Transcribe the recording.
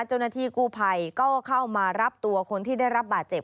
เจ้าหน้าที่กู้ภัยก็เข้ามารับตัวคนที่ได้รับบาดเจ็บ